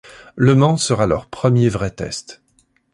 Le Mans sera leur premier vrai test.